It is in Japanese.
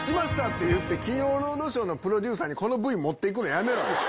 って言って『金曜ロードショー』のプロデューサーにこのＶＴＲ持って行くのやめろよ！